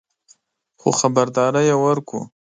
خو خبرداری یې ورکړ